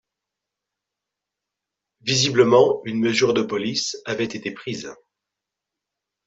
Visiblement une mesure de police avait été prise.